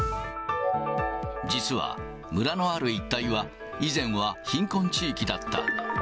実は、村のある一帯は、以前は貧困地域だった。